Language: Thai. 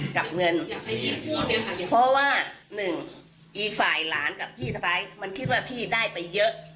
กับเงินเพราะว่าหนึ่งอีกฝ่ายหลานกับพี่สะพ้ายมันคิดว่าพี่ได้ไปเยอะ